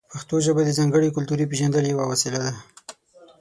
پښتو ژبه د ځانګړې کلتوري پېژندنې یوه وسیله ده.